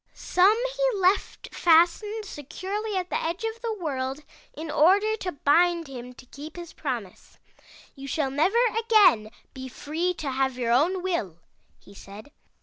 Some he left fastened securely at the edge of the world in order to bind him to keep his promise. " 'You shall never again be free to have your own will,' he said.